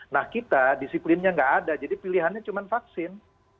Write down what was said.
nah kita disiplinnya nggak ada jadi pilihannya cuma vaksin